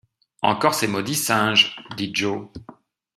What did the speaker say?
Encore ces maudits singes ? dit Joe.